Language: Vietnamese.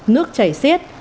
nước chảy xiết